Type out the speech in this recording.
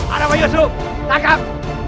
ada pak yusuf tangkap